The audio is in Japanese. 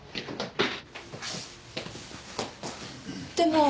でも